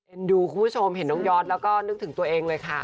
เอ็นดิวคุณผู้ชมเห็นลูกยอดแล้วก็นึกถึงตัวเองเลยค่ะ